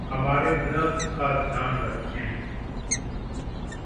हमारे ग्रह का ध्यान रखें।